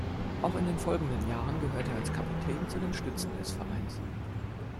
Auch in den folgenden Jahren gehörte er als Kapitän zu den Stützen des Vereins.